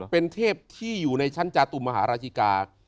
เป็นเทพที่อยู่ในชั้นจาตุมหาราชิกา